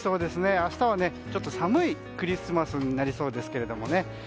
明日は、ちょっと寒いクリスマスになりそうですけども。